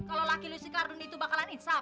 kalau laki lu si karjun itu bakalan insaf